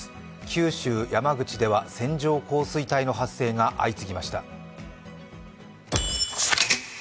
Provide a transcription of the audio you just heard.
九州、山口では線状降水帯の発生が相次ぎました。